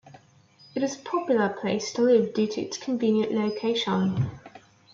It is a popular place to live due to its convenient location.